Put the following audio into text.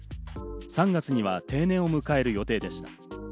３月には定年を迎える予定でした。